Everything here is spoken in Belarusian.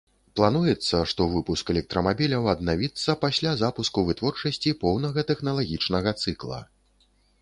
Плануецца, што выпуск электрамабіляў аднавіцца пасля запуску вытворчасці поўнага тэхналагічнага цыкла.